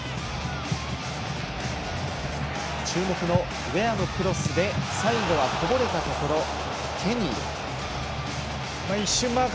注目のウェアのクロスに最後はこぼれたところ、マケニー。